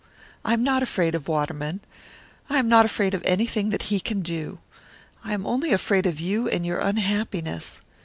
I am not afraid of Waterman; I am not afraid of anything that he can do. I am only afraid of you, and your unhappiness.